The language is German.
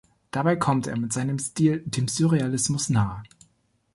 Dabei kommt er mit seinem Stil dem Surrealismus nah.